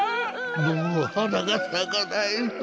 もうはながさかないぞ。